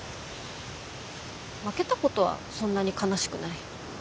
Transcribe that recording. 負けたことはそんなに悲しくない。